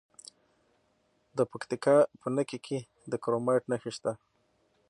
د پکتیکا په نکې کې د کرومایټ نښې شته.